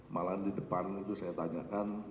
malah di depan itu saya tanyakan